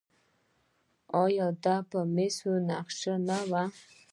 آیا دا په مسو نقاشي نه ده؟